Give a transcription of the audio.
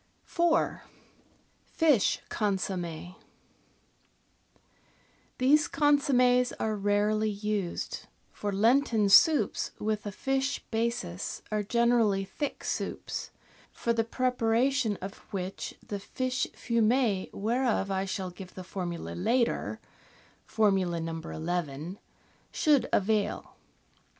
^ 4— FISH CONSOMME These consommes are rarely used, for Lenten soups with a fish basis are generally thick soups, for the preparation of which the fish fumet whereof I shall give the formula later (Formula No. ii) should avail.